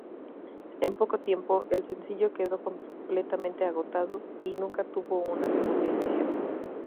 En poco tiempo, el sencillo quedó completamente agotado y nunca tuvo una segunda edición.